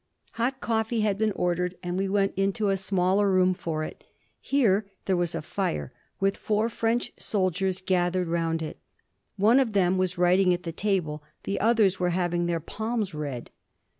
Hot coffee had been ordered, and we went into a smaller room for it. Here there was a fire, with four French soldiers gathered round it. One of them was writing at the table. The others were having their palms read.